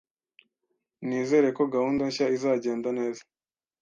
Nizere ko gahunda nshya izagenda neza